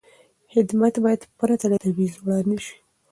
خدمت باید پرته له تبعیض وړاندې شي.